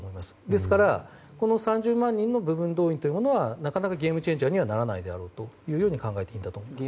ですから、この３０万人の部分動員令はなかなかゲームチェンジャーにはならないだろうというふうに考えていると思います。